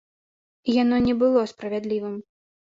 І яно не было справядлівым.